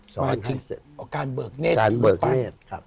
สอนให้เสร็จอ๋อการเบิกเนธหรือเปล่าการเบิกเนธ